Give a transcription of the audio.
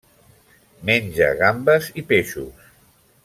Menja gambes i peixos.